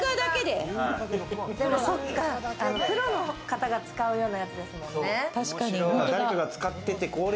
プロの方が使うようなやつですもんね。